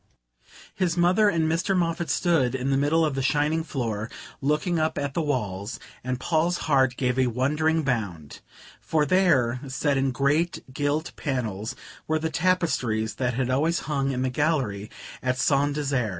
His mother and Mr. Moffatt stood in the middle of the shining floor, looking up at the walls; and Paul's heart gave a wondering bound, for there, set in great gilt panels, were the tapestries that had always hung in the gallery at Saint Desert.